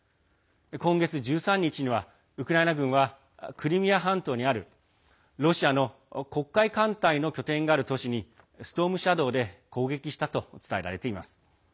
今月１３日にはウクライナ軍はクリミア半島にあるロシアの黒海艦隊の拠点がある都市に「ストームシャドー」で攻撃したと伝えられています。